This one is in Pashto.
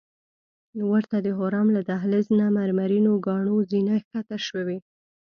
ورته د حرم له دهلیز نه مرمرینو کاڼو زینه ښکته شوې.